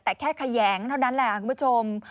แต่แค่แขยงเท่านั้นแหละคุณผู้ชม